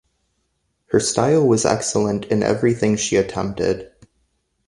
Her style was excellent in everything she attempted.